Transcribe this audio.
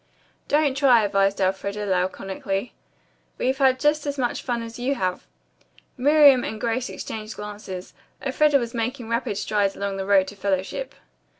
"Don't try," advised Elfreda laconically. "We've had just as much fun as you have." Miriam and Grace exchanged glances. Elfreda was making rapid strides along the road to fellowship.